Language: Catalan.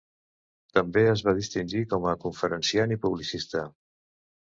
També es va distingir com a conferenciant i publicista.